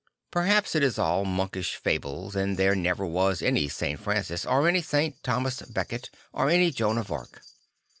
Per haps it is all monkish fables and there never was any St. Francis or any St. Thomas Becket or any Joan of Arc.